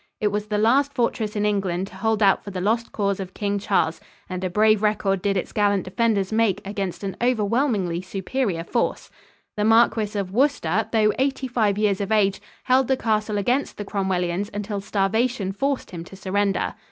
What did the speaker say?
It was the last fortress in England to hold out for the lost cause of King Charles, and a brave record did its gallant defenders make against an overwhelmingly superior force. The Marquis of Worcester, though eighty five years of age, held the castle against the Cromwellians until starvation forced him to surrender.